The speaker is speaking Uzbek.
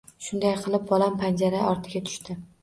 Shunday qilib, bolam panjara ortiga tushdi